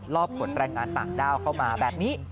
อบขนแรงงานต่างด้าวเข้ามาแบบนี้